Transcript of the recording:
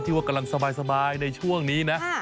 ว่ากำลังสบายในช่วงนี้นะ